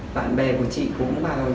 bạn bè của chị cũng vào